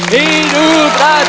hidup ratu margaret